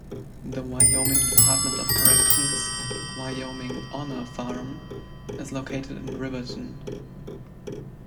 The Wyoming Department of Corrections Wyoming Honor Farm is located in Riverton.